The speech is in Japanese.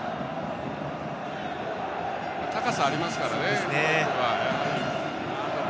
高さありますからね、モロッコ。